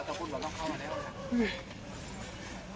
ตายอีกแล้ว